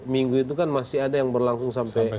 minggu itu kan masih ada yang berlangsung sampai